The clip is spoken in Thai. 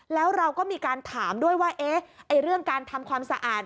แล้วเราก็มีการถามด้วยว่าเรื่องการทำความสะอาด